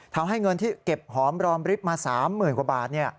เท้าให้เงินที่เก็บหอมรอมริบมาสามหมื่นกว่าบาทเนี่ย